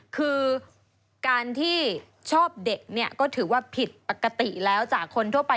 คือการที่ชอบเด็กเนี่ยก็ถือว่าผิดปกติแล้วจากคนทั่วไป